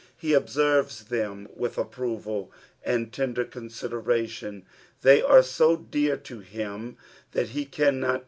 He observes them with approval and tender consideration ; they are so dear to him that he cannot N.